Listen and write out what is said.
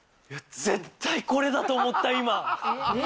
絶対これだと思った、今。